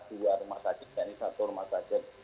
dua rumah sakit yaitu satu rumah sakit